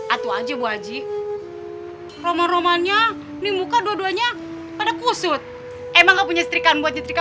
atau aja bu haji romanya nih muka dua duanya pada kusut emangnya punya setrika buat nyetrika